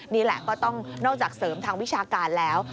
นี่แหละก็ต้องนอกจากเสริมทางวิชาการแล้ว